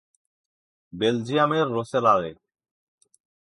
বেলজিয়ামের রোসেলারে।